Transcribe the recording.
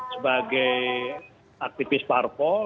sebagai aktivis parpol